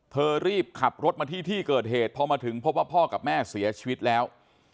รีบขับรถมาที่ที่เกิดเหตุพอมาถึงพบว่าพ่อกับแม่เสียชีวิตแล้ว